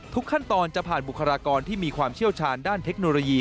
ขั้นตอนจะผ่านบุคลากรที่มีความเชี่ยวชาญด้านเทคโนโลยี